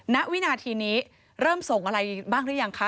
ณวินาทีนี้เริ่มส่งอะไรบ้างหรือยังคะ